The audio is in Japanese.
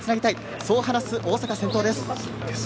そう話す大阪の先頭です。